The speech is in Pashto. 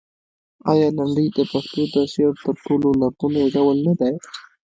آیا لنډۍ د پښتو د شعر تر ټولو لرغونی ډول نه دی؟